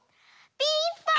ピンポーン！